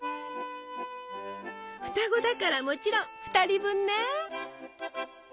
双子だからもちろん２人分ね！